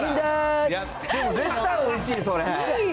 絶対おいしいよね、それ。